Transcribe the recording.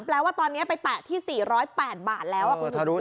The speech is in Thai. แปลว่าตอนนี้ไปแตะที่๔๐๘บาทแล้วคุณ